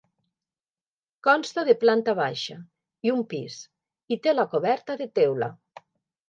Consta de planta baixa i un pis, i té la coberta de teula.